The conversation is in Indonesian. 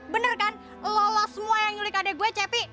bener kan lolos semua yang nyulik adeg gue cepi